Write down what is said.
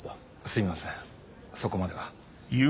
すいませんそこまでは。